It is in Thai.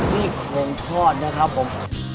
ซี่โครงทอดนะครับผม